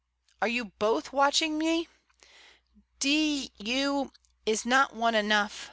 "Are you both watching me? D you, is not one enough?"